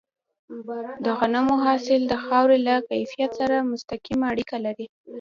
د غنمو حاصل د خاورې له کیفیت سره مستقیمه اړیکه لري.